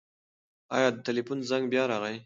ایا د تلیفون زنګ بیا راغی؟